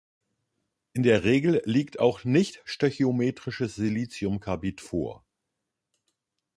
In der Regel liegt auch nicht-stöchiometrisches SiC vor.